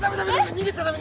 逃げちゃダメ！